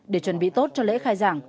để chuẩn bị tốt cho lễ khai giảng